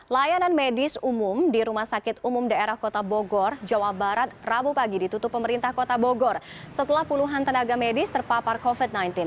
layanan medis umum di rumah sakit umum daerah kota bogor jawa barat rabu pagi ditutup pemerintah kota bogor setelah puluhan tenaga medis terpapar covid sembilan belas